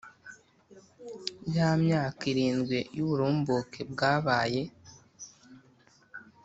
Ya myaka irindwi y uburumbuke bwabaye